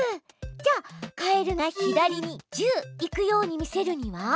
じゃあカエルが左に「１０」行くように見せるには？